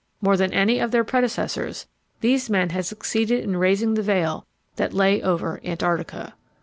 More than any of their predecessors, these men had succeeded in raising the veil that lay over "Antarctica."